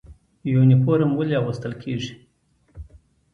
یونفورم ولې اغوستل کیږي؟